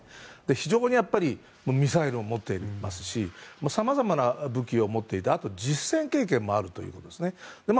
非常にミサイルも持ってますしさまざまな武器を持っていてあと、実戦経験もあるということですね。